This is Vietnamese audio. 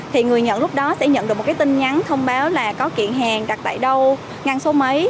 thì người nhận lúc đó sẽ nhận được một cái tin nhắn thông báo là có kiện hàng đặt tại đâu ngăn số mấy